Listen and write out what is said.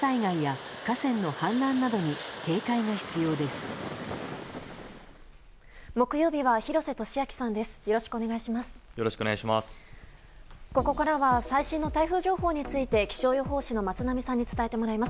ここからは最新の台風情報について気象予報士の松並さんに伝えてもらいます。